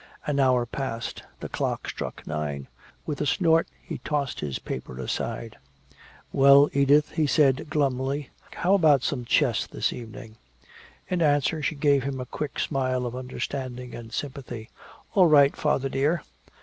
An hour passed. The clock struck nine. With a snort he tossed his paper aside. "Well, Edith," he said glumly, "how about some chess this evening?" In answer she gave him a quick smile of understanding and sympathy. "All right, father dear."